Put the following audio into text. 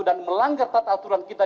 dan melanggar tata aturan kita